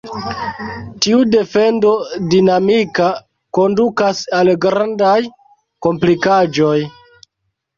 Tiu defendo dinamika kondukas al grandaj komplikaĵoj.